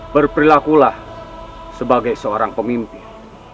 berperilakulah sebagai seorang pemimpin